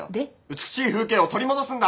美しい風景を取り戻すんだ！